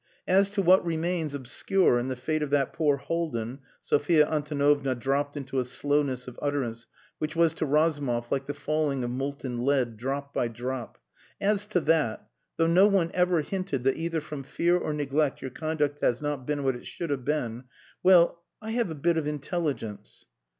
"As to what remains obscure in the fate of that poor Haldin," Sophia Antonovna dropped into a slowness of utterance which was to Razumov like the falling of molten lead drop by drop; "as to that though no one ever hinted that either from fear or neglect your conduct has not been what it should have been well, I have a bit of intelligence...."